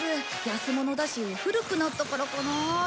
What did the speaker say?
安物だし古くなったからかな。